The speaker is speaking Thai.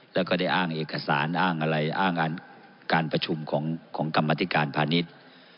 แล้วก็ได้อ้างเอกสารอ้างอะไรอ้างการประชุมของกรรมธิการพาณิชย์